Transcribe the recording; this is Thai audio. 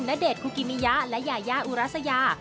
ณเดชนคุกิมิยะและยายาอุรัสยา